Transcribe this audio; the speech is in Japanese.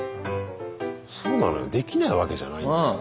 そうなのよできないわけじゃないんだよ。